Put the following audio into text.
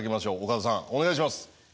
岡田さんお願いします。